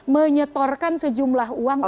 menyetorkan sejumlah uang